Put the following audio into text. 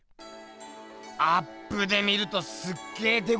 アップで見るとすっげえでこぼこしてんな！